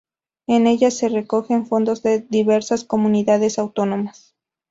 En ella se recogen fondos de diversas comunidades autónomas.